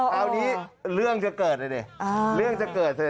เท้านี้เรื่องจะเกิดเลย